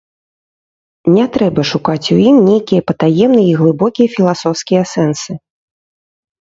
Не трэба шукаць у ім нейкія патаемныя і глыбокія філасофскія сэнсы.